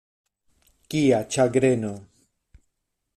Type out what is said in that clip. Kia ĉagreno!